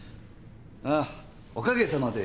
ああおかげさまで。